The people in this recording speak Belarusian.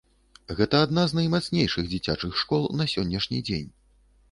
Гэта адна з наймацнейшых дзіцячых школ на сённяшні дзень.